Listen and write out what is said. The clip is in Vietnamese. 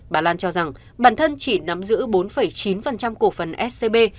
bà lan cho rằng bản thân chỉ nắm giữ bốn chín cổ phần scb